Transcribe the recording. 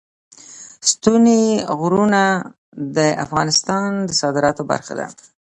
ستوني غرونه د افغانستان د صادراتو برخه ده.